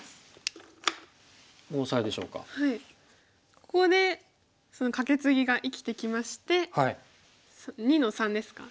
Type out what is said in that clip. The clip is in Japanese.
ここでそのカケツギが生きてきまして２の三ですか？